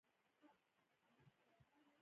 پسه د افغان کلتور او ملي ژوند سره تړاو لري.